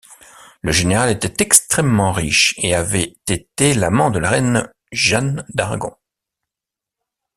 Le général était extrêmement riche et avait été l'amant de la reine Jeanne d'Aragon.